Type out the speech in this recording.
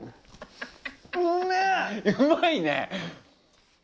うまいね！